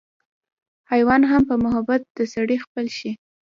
حېوان هم پۀ محبت د سړي خپل شي